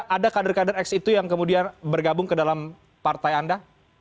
ada kader kader ex itu yang kemudian bergabung ke dalam partai anda